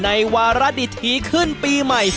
ในวารัฐอิทธิขึ้นปีใหม่